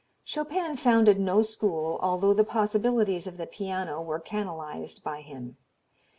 Chopin founded no school, although the possibilities of the piano were canalized by him.